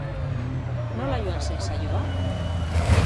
Nola joan zen saioa?